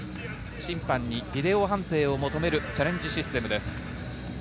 審判にビデオ判定を求めるチャレンジシステムです。